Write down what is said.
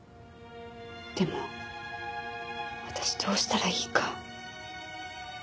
でも私どうしたらいいか。